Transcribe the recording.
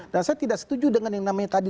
dan saya tidak setuju dengan yang namanya tadi